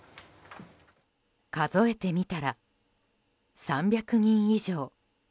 数えてみたら３００人以上。